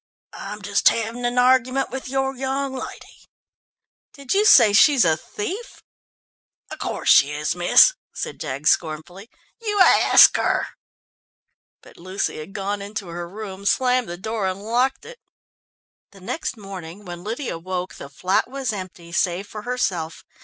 "I'm just having an argument with your young lady." "Do you say she is a thief?" "Of course she is, miss," said Jaggs scornfully. "You ask her!" But Lucy had gone into her room, slammed the door and locked it. The next morning when Lydia woke, the flat was empty, save for herself.